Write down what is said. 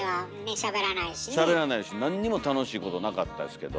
しゃべらないしなんにも楽しいことなかったですけど。